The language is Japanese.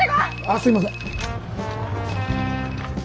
あっすいません。